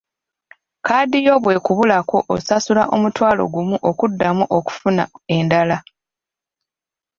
Kkaadi yo bw'ekubulako osasula omutwalo gumu okuddamu okufuna endala.